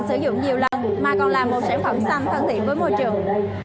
sử dụng nhiều lần mà còn là một sản phẩm xanh thân thiện với môi trường